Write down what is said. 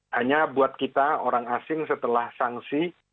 hanya buat kita orang asing setelah sanksi